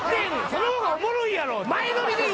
そのほうがおもろいやろいや